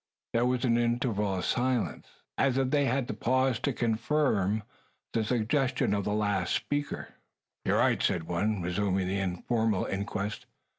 There was an interval of silence, as if they had paused to confirm the suggestion of the last speaker. "You're right," said one, resuming the informal inquest.